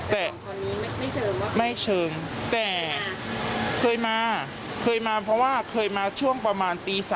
แต่คนนี้ไม่เชิงแต่เคยมาเคยมาเพราะว่าเคยมาช่วงประมาณตี๓